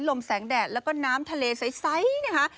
ลมแสงแดดแล้วก็น้ำทะเลใสนะคะ